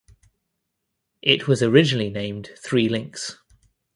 It was originally named Three Links.